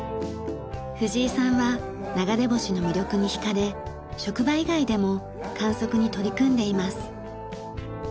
藤井さんは流れ星の魅力に引かれ職場以外でも観測に取り組んでいます。